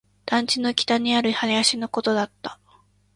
団地の北にある林のことだった